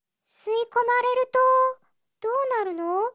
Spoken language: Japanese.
すいこまれるとどうなるの？